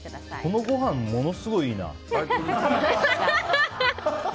このごはんものすごいいいな。